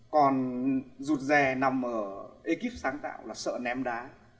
còn rụt rè nằm ở ekip sáng tạo là sợ ném đá